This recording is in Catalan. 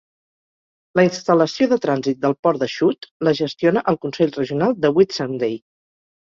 La instal·lació de Trànsit del Port de Shute la gestiona el Consell Regional de Whitsunday.